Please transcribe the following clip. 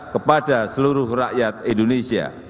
kepada seluruh rakyat indonesia